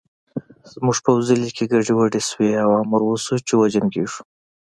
زموږ پوځي لیکې ګډې وډې شوې او امر وشو چې وجنګېږو